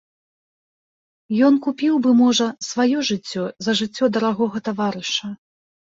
Ён купіў бы, можа, сваё жыццё за жыццё дарагога таварыша.